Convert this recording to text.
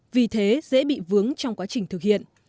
vì thế dễ bị vướng trong quá trình thực hiện